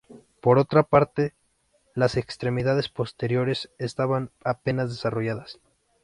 Por otra parte, las extremidades posteriores estaban apenas desarrolladas.